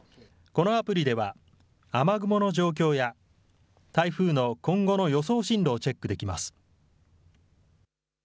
このアプリでは雨雲の状況や台風の今後の予想進路をチェックできます。